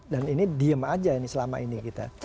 dan ini diem aja selama ini kita